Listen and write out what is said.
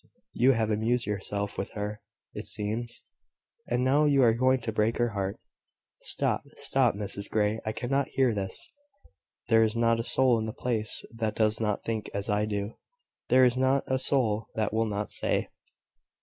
You have amused yourself with her, it seems; and now you are going to break her heart." "Stop, stop, Mrs Grey! I cannot hear this." "There is not a soul in the place that does not think as I do. There is not a soul that will not say